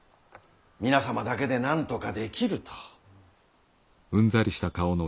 皆様だけでなんとかできると。